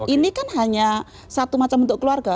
ini kan hanya satu macam bentuk keluarga